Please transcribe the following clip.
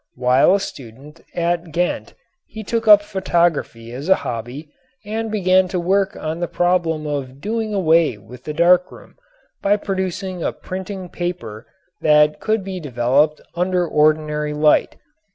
While a student at Ghent he took up photography as a hobby and began to work on the problem of doing away with the dark room by producing a printing paper that could be developed under ordinary light.